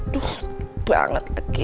aduh sakit banget kekutuknya